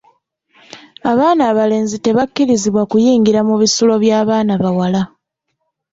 Abaana abalenzi tebakkirizibwa kuyingira mu bisulo by'abaana bawala.